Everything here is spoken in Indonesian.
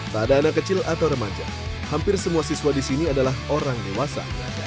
tak ada anak kecil atau remaja hampir semua siswa di sini adalah orang dewasa